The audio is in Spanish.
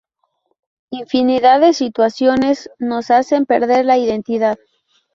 Infinidad de situaciones nos hacen perder la identidad.